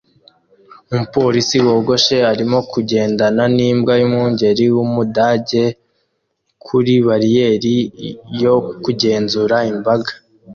Umupolisi wogoshe arimo kugendana nimbwa yumwungeri wumudage kuri bariyeri yo kugenzura imbaga